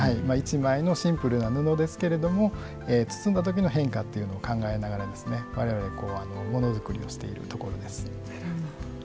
１枚のシンプルな布ですけども包んだときの変化を考えながらわれわれものづくりをしているところです。